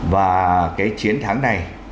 và cái chiến thắng này